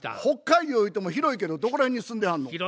北海道ゆうても広いけどどこら辺に住んではんの？